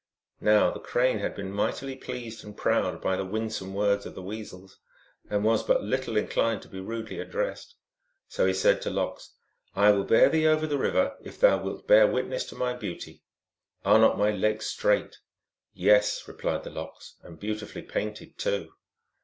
Now the Crane had been made mightily pleased and proud by the winsome words of the Weasels, and was but little in clined to be rudely addressed. So he said to Lox, 44 1 will bear thee over the river if thou wilt bear wit ness to my beauty. Are not my legs straight?" 44 Yea " replied the Lox, 44 and beautifully painted, too."